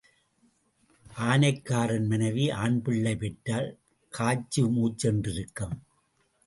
ஆனைக்காரன் மனைவி ஆண் பிள்ளை பெற்றால் காச்சு மூச்சென்றிருக்கும்.